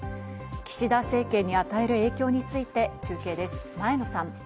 岸田政権に与える影響について中継です、前野さん。